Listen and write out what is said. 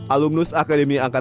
alumnus akademi kepolisian